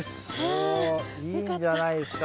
おいいんじゃないですか。